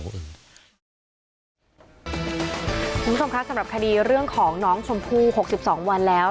คุณผู้ชมคะสำหรับคดีเรื่องของน้องชมพู่๖๒วันแล้ว